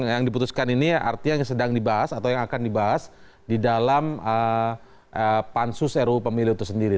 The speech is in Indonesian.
yang diputuskan ini artinya yang sedang dibahas atau yang akan dibahas di dalam pansus ru pemilu itu sendiri